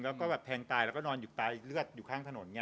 แล้วก็แทงตายแล้วนอนอยู่ใจเลือดข้างถนนไง